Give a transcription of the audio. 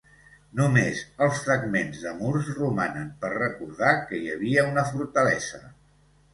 Només els fragments de murs romanen per recordar que hi havia una fortalesa.